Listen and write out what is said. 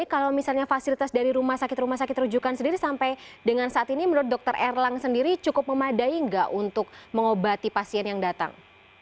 kalau misalnya fasilitas dari rumah sakit rumah sakit rujukan sendiri sampai dengan saat ini menurut dokter erlang sendiri cukup memadai nggak untuk mengobati pasien yang datang